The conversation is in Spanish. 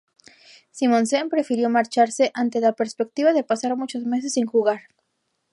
Simonsen prefirió marcharse ante la perspectiva de pasar muchos meses sin jugar.